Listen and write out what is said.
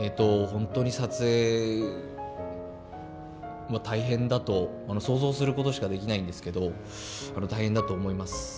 本当に撮影大変だと想像することしかできないんですけど大変だと思います。